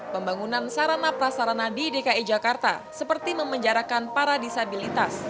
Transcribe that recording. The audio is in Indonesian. pembangunan sarana prasarana di dki jakarta seperti memenjarakan para disabilitas